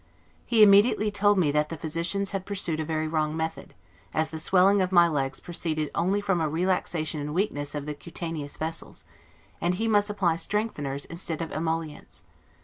He immediately told me that the physicians had pursued a very wrong method, as the swelling of my legs proceeded only from a relaxation and weakness of the cutaneous vessels; and he must apply strengtheners instead of emollients.